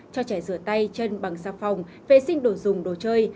cho trẻ rửa tay chân bằng xà phòng vệ sinh đồ dùng đồ chơi